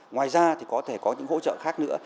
ngoài ra thì có thể có những hỗ trợ khác nữa